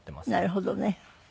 なるほどね。